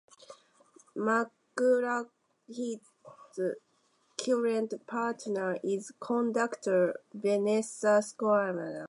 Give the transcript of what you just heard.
McLachlan's current partner is conductor Vanessa Scammell.